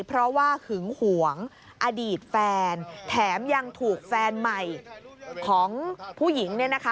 เพราะว่าหึงหวงอดีตแฟนแถมยังถูกแฟนใหม่ของผู้หญิงเนี่ยนะคะ